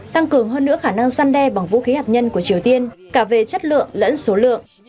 tăng cường hơn nữa khả năng săn đe bằng vũ khí hạt nhân của triều tiên cả về chất lượng lẫn số lượng